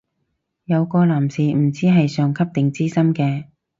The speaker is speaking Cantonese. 有個男士唔知係上級定資深啲